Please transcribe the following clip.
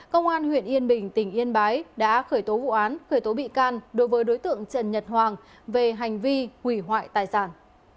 công an huyện yên bình tỉnh yên bái đã khởi tố vụ án khởi tố bị can đối với đối tượng trần nhật hoàng về hành vi hủy hoại tài sản